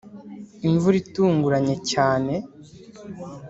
imvura itunguranye cyane